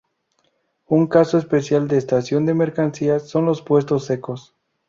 Un caso especial de estación de mercancías son los puertos secos.